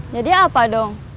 jadi apa dong